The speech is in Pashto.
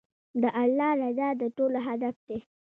د الله رضا د ټولو هدف دی.